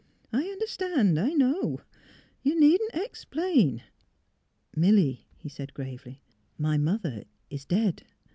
I un derstand — I know. You needn't explain." '' Milly," he said, gravely, '' my mother — is dead."